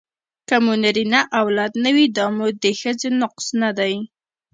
که مو نرینه اولاد نه وي دا مو د ښځې نقص نه دی